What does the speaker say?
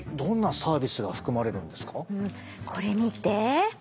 これ見て。